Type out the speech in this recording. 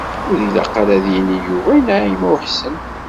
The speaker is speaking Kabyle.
Ur ilaq ara ad yini Yuba i Naɛima u Ḥsen.